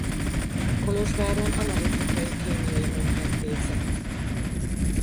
Kolozsváron analitikai kémiai munkát végzett.